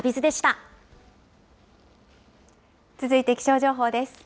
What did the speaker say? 続いて気象情報です。